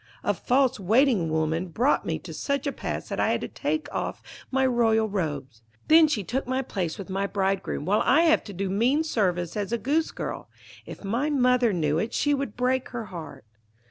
A false Waiting woman brought me to such a pass that I had to take off my royal robes. Then she took my place with my bridegroom, while I have to do mean service as a Goosegirl. If my mother knew it she would break her heart.'